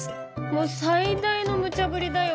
もう最大のムチャブリだよ。